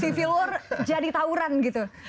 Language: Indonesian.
civil war jadi tawuran gitu